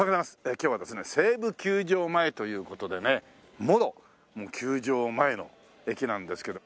今日はですね西武球場前という事でねもろ球場前の駅なんですけど。